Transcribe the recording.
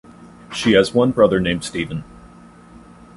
She has one brother named Stephen.